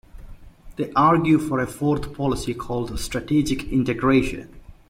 They argue for a fourth policy called strategic integration.